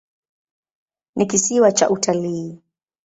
Ni kisiwa cha utalii.